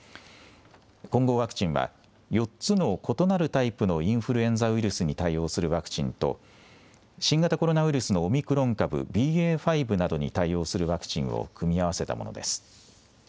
混合ワクチンは、４つの異なるタイプのインフルエンザウイルスに対応するワクチンと、新型コロナウイルスのオミクロン株ＢＡ．５などに対応するワクチンを組み合わせたものです。